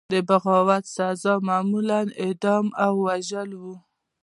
د بغاوت سزا معمولا اعدام او وژل وو.